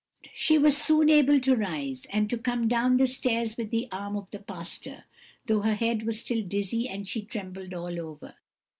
"She was soon able to arise, and to come down the stairs with the arm of the pastor, though her head was still dizzy and she trembled all over.